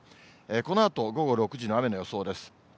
このあと、午後６時の雨の予想です。